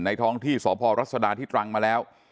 ท้องที่สพรัศดาที่ตรังมาแล้ว